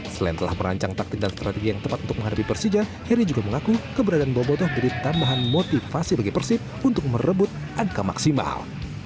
selain telah merancang taktik dan strategi yang tepat untuk menghadapi persija heri juga mengaku keberadaan bobotoh menjadi tambahan motivasi bagi persib untuk merebut angka maksimal